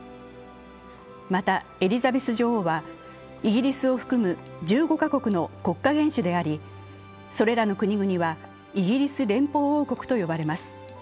またエリザベス女王は、イギリスを含む１５か国の国家元首でありそれらの国々はイギリス連邦王国と呼ばれます。